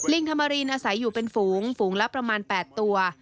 ธรรมรินอาศัยอยู่เป็นฝูงฝูงละประมาณ๘ตัว